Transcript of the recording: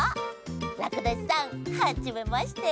らくだしさんはじめまして。